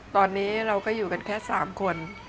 ตอนนี้เราก็อยู่กันแค่๓คน